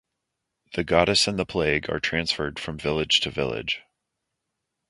The goddess and the plague are transferred from village to village.